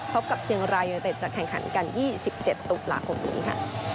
ครบกับเชียงรายเยอเตศจากแข่งขันกันที่๑๗ตุลาคมนึง